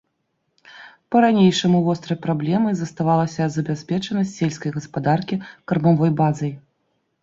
Па-ранейшаму вострай праблемай заставалася забяспечанасць сельскай гаспадаркі кармавой базай.